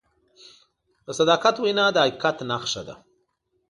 د صداقت وینا د حقیقت نښه ده.